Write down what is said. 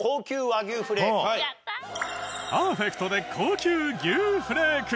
パーフェクトで高級牛フレーク。